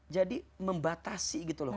jadi membatasi gitu loh